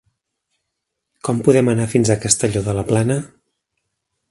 Com podem anar fins a Castelló de la Plana?